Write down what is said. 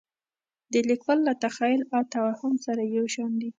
د لیکوال له تخیل او توهم سره یو شان دي.